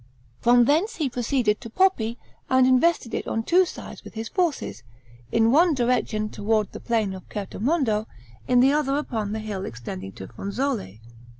From thence he proceeded to Poppi and invested it on two sides with his forces, in one direction toward the plain of Certomondo, in the other upon the hill extending to Fronzole.